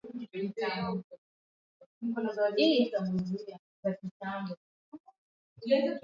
Mkutano pia uitathmini maendeleo ya muingiliano wa kikanda kulingana na utashi wakama ulivyoelezewa